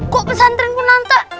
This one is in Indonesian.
kok pesantrenku nantah